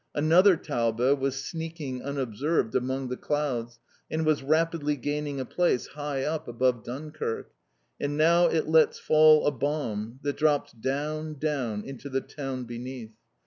Another Taube was sneaking, unobserved, among the clouds, and was rapidly gaining a place high up above Dunkirk. And now it lets fall a bomb, that drops down, down, into the town beneath.